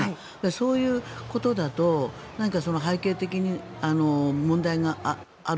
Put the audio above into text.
そういうことだと背景的に何か問題がある。